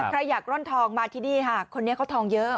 ใครอยากร่อนทองมาที่นี่ค่ะคนนี้เขาทองเยอะ